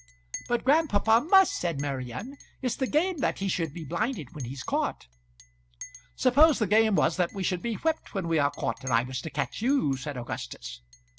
"But grandpapa must," said Marian. "It's the game that he should be blinded when he's caught." "Suppose the game was that we should be whipped when we are caught, and I was to catch you," said Augustus.